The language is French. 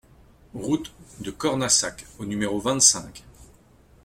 Route de Cornassac au numéro vingt-cinq